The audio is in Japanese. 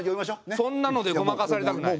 そんなのでごまかされたくない。